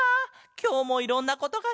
きょうもいろんなことがしれた。